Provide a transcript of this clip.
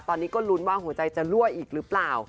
ตอนนี้ก็ลุ้นว่าหัวใจจะรั่วอีกหรือเปล่า